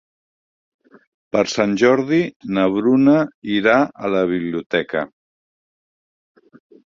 Per Sant Jordi na Bruna irà a la biblioteca.